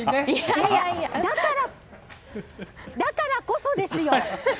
いやいや、だからこそですよ！